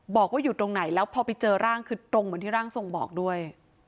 บอกว่าอยู่ตรงไหนแล้วพอไปเจอร่างคือตรงเหมือนที่ร่างทรงบอกด้วย